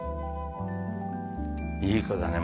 いい子だね。